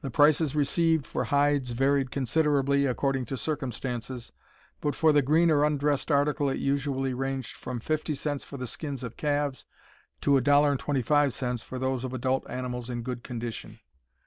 The prices received for hides varied considerably, according to circumstances, but for the green or undressed article it usually ranged from 50 cents for the skins of calves to $1.25 for those of adult animals in good condition.